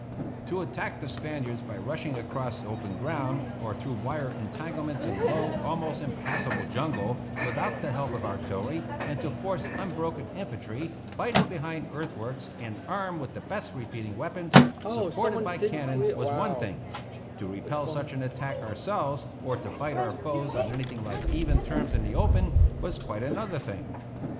To attack the Spaniards by rushing across open ground, or through wire entanglements and low, almost impassable jungle, without the help of artillery, and to force unbroken infantry, fighting behind earthworks and armed with the best repeating weapons, supported by cannon, was one thing; to repel such an attack ourselves, or to fight our foes on anything like even terms in the open, was quite another thing.